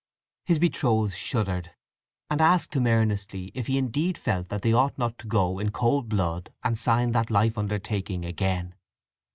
His betrothed shuddered; and asked him earnestly if he indeed felt that they ought not to go in cold blood and sign that life undertaking again?